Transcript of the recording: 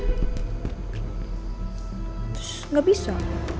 terus gak bisa